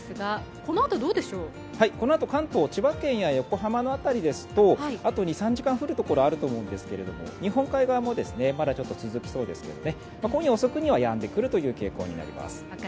このあと関東、千葉県や横浜の辺りですとあと２３時間、降る所がありそうですけどまだちょっと続きそうですけどね、今夜遅くにはやんでくるという傾向です。